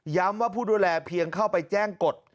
ว่าผู้ดูแลเพียงเข้าไปแจ้งกฎ